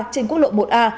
trên quốc lộ một a